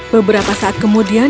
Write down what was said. beberapa saat kemudian